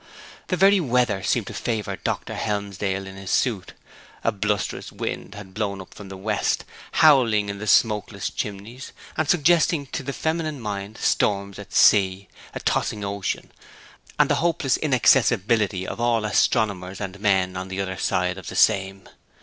The very weather seemed to favour Dr. Helmsdale in his suit. A blusterous wind had blown up from the west, howling in the smokeless chimneys, and suggesting to the feminine mind storms at sea, a tossing ocean, and the hopeless inaccessibility of all astronomers and men on the other side of the same.